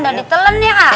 udah ditelen ya kak